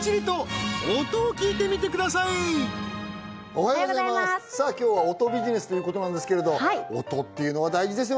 おはようございますさあ今日は音ビジネスということなんですけれど音っていうのは大事ですよ